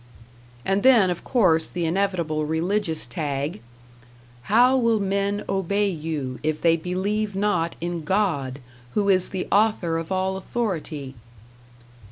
And then, of course, the inevitable religious tag: "How will men obey you, if they believe not in God, who is the author of all authority?"